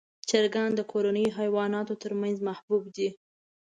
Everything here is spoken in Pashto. چرګان د کورنیو حیواناتو تر منځ محبوب دي.